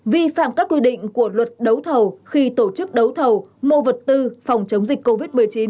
vi phạm các quy định của luật đấu thầu khi tổ chức đấu thầu mua vật tư phòng chống dịch covid một mươi chín